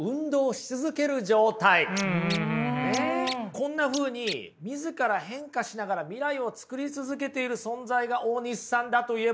こんなふうに自ら変化しながら未来を作り続けている存在が大西さんだといえばどうでしょう？